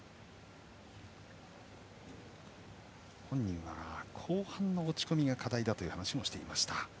本人は後半の落ち込みが課題だという話をしていました。